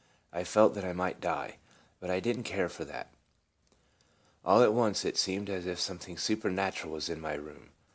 I felt that I might die, but I did n't care for that All at once it seemed as if something su pernatural was in my room.